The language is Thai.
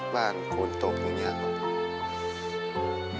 บ้านคุณตกอย่างเงี้ย